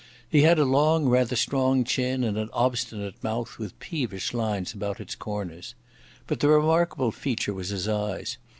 He had a long, rather strong chin and an obstinate mouth with peevish lines about its corners. But the remarkable feature was his eyes.